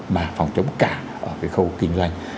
mà phòng chống cả ở cái khâu kinh doanh